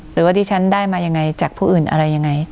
หรือว่าที่ฉันได้มายังไงจากผู้อื่นอะไรยังไง